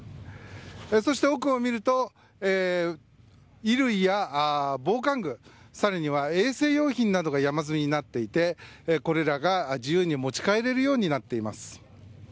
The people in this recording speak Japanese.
そして奥を見ると衣類や防寒具更には衛生用品などが山積みになっていてこれらが自由に持ち帰られるようになっています。